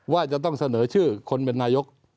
ว่าจะต้องเสนอชื่อคนเป็นนายก